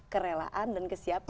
kerelaan dan kesiapan